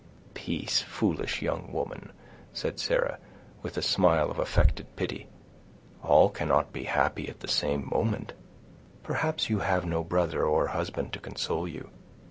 "Peace, foolish young woman," said Sarah, with a smile of affected pity; "all cannot be happy at the same moment; perhaps you have no brother, or husband, to console you.